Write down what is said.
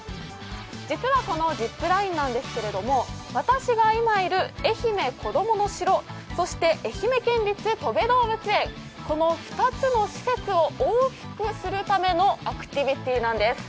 実はこのジップラインなんですけれども、私が今いるえひめこどもの城、そして愛媛県立とべ動物園、この２つの施設を大きくするためのアクティビティなんです。